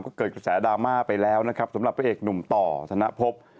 ก็เกิดแสดราม่าไปแล้วสำหรับเป็นเอกหนุ่มต่อธนาภพ